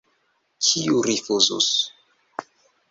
Kiu rifuzus?